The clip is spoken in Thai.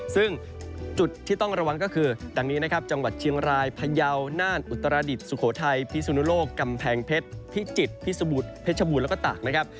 ซึ่งจุดที่ต้องระวังก็คือดังนี้นะครับจังหวัดเชียงรายพยาวน่านอุตรดิษฐสุโขทัยพิสุนุโลกกำแพงเพชรพิจิตรพิสบุตรเพชรบูรณแล้วก็ตากนะครับ